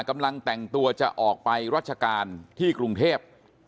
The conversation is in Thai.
กำลังแต่งตัวจะออกไปรัชกาลที่กรุงเทพ